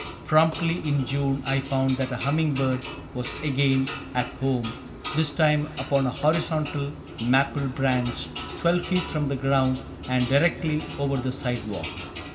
Promptly in June I found that a humming bird was again "at home," this time upon a horizontal maple branch, twelve feet from the ground and directly over the sidewalk.